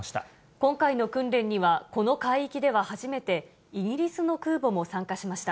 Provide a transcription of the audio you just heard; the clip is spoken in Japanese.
今回の訓練には、この海域では初めて、イギリスの空母も参加しました。